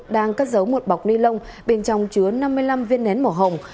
đang cất giấu một bọc ni lông bên trong chứa năm mươi năm viên nén màu hồng